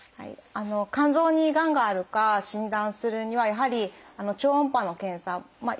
肝臓にがんがあるか診断するにはやはり超音波の検査。